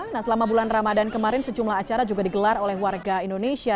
nah selama bulan ramadan kemarin sejumlah acara juga digelar oleh warga indonesia